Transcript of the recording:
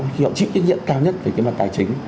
khi họ chịu trách nhiệm cao nhất về cái mặt tài chính